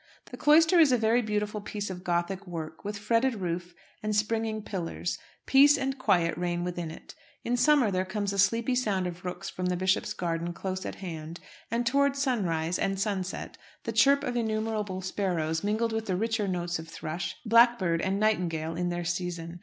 The cloister is a very beautiful piece of Gothic work, with fretted roof and springing pillars. Peace and quiet reign within it. In summer there comes a sleepy sound of rooks from the Bishop's garden close at hand; and, towards sunrise and sunset, the chirp of innumerable sparrows mingled with the richer notes of thrush, blackbird, and nightingale in their season.